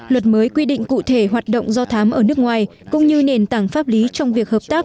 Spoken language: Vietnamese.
luật mới quy định cụ thể hoạt động do thám ở nước ngoài cũng như nền tảng pháp lý trong việc hợp tác